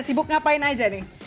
sibuk ngapain aja nih